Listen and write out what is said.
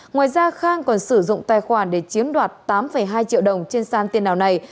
ngoài ra khang còn sử dụng tài khoản để chiếm đoạt tám hai triệu đồng trên sàn tiền nào này